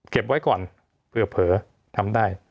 เก็บไว้ก่อนเผื่อเผยทำได้